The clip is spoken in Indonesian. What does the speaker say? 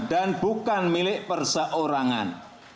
dan bukan milik perseorangan